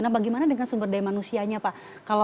nah bagaimana dengan sumber daya manusianya pak